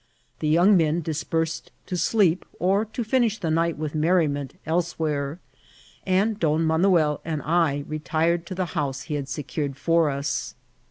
The young men dispersed to sleep or to finish the night with merriment elsewhere, and Don Manuel and I retired to the house he had secured for us.